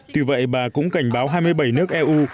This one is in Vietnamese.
tuy vậy bà cũng cảnh báo hai mươi bảy nước eu